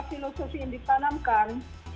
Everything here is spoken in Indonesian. filosofi yang ditanamkan